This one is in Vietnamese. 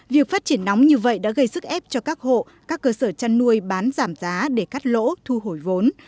việc phát triển nóng như vậy đã gây sức ép cho các hộ các cơ sở chăn nuôi bán giảm giá để cắt lỗ thu hồi vốn